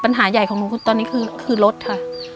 ปัญหาใหญ่ของลุงรถตอนนี้คือรถครับ